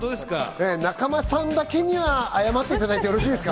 仲間さんだけには謝っていただいてよろしいですか？